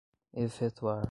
efetuar